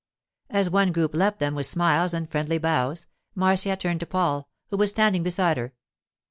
As one group left them with smiles and friendly bows, Marcia turned to Paul, who was standing beside her.